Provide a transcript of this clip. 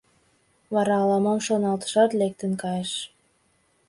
Вара ала-мом шоналтышат, лектын кайыш.